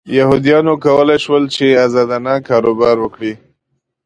یهودیانو کولای شول چې ازادانه کاروبار وکړي.